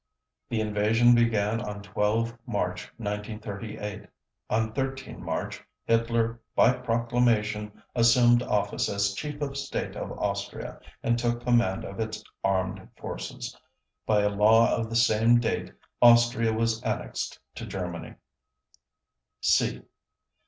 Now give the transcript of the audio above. The invasion began on 12 March 1938. On 13 March, Hitler by proclamation assumed office as Chief of State of Austria and took command of its armed forces. By a law of the same date Austria was annexed to Germany.